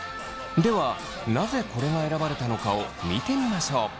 ではなぜこれが選ばれたのかを見てみましょう。